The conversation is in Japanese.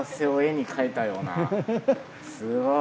すごい。